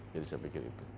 jadi saya pikir itu